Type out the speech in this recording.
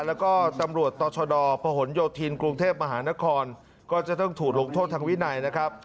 แล้วก็ตำรวจต่อชดพหนโยธินกรุงเทพมหานครก็จะต้องถูกลงโทษทางวินัยนะครับ